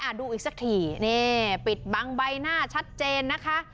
ดูอีกสักทีนี่ปิดบังใบหน้าชัดเจนนะคะ